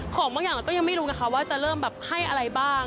ของบางอย่างเราก็ยังไม่รู้ไงคะว่าจะเริ่มแบบให้อะไรบ้าง